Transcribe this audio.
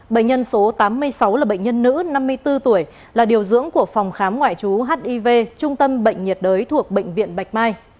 bệnh nhân số tám mươi sáu là bệnh nhân nữ năm mươi bốn tuổi là điều dưỡng của phòng khám ngoại trú hiv trung tâm bệnh nhiệt đới thuộc bệnh viện bạch mai